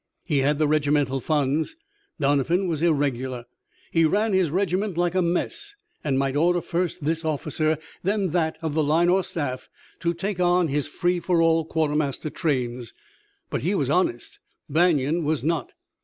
He had the regimental funds. Doniphan was irregular. He ran his regiment like a mess, and might order first this officer, then that, of the line or staff, to take on his free for all quartermaster trains. But he was honest. Banion was not.